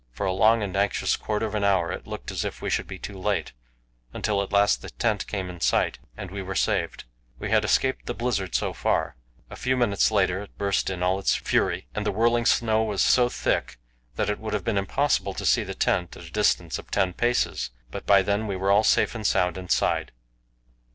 For a long and anxious quarter of an hour it looked as if we should be too late, until at last the tent came in sight, and we were saved. We had escaped the blizzard so far; a few minutes later it burst in all its fury, and the whirling snow was so thick that it would have been impossible to see the tent at a distance of ten paces, but by then we were all safe and sound inside.